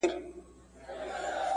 پدې ورځ د افغانانو بابا